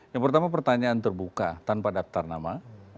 yang pertama pertanyaan terbuka tanpa daftar nama